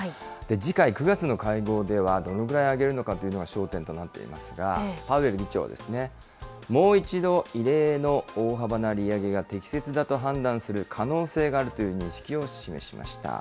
次回、９月の会合ではどのくらい上げるのかというのが焦点となっていますが、パウエル議長はですね、もう一度、異例の大幅な利上げが適切だと判断する可能性があるという認識を示しました。